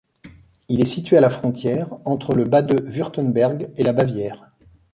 Il est situé à la frontière entre le Bade-Wurtemberg et la Bavière.